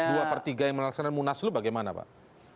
dua per tiga yang melaksanakan munaslu bagaimana pak